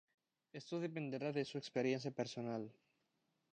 Esto dependerá de su experiencia personal.